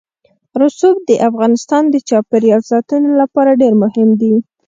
رسوب د افغانستان د چاپیریال ساتنې لپاره ډېر مهم دي.